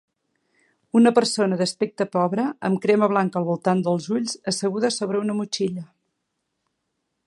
una persona d'aspecte pobre amb crema blanca al voltant dels ulls asseguda sobre una motxilla.